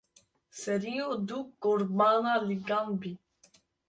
Seriyo tu qurbana lingan bî.